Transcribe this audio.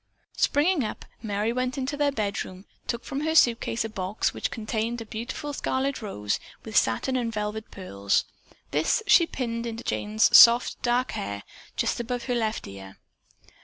Springing up, Merry went into their bedroom, took from her suitcase a box which contained a beautiful scarlet rose with satin and velvet petals. This she pinned into Jane's soft, dark hair just above her left ear.